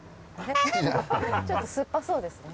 ちょっと酸っぱそうですね。